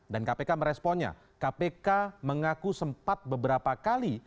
dan kpk meresponnya kpk mengaku sempat beberapa kali